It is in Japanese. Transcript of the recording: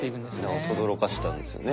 名をとどろかしたんですよね。